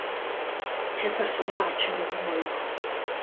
ჯეფერსონმა არჩევნები მოიგო.